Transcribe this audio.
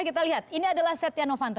kita lihat ini adalah setia novanto